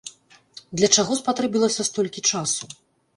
Для чаго спатрэбілася столькі часу?